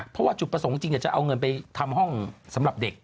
เพราะว่าจุดประสงค์จริงจะเอาเงินไปทำห้องสำหรับเด็ก